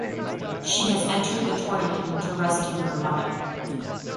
She has entered the tournament to rescue her mother.